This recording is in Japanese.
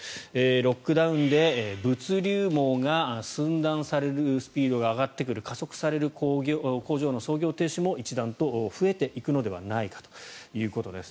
ロックダウンで物流網が寸断されるスピードが上がってくる加速させる工場の操業停止も一段と増えてくるのではないかということです。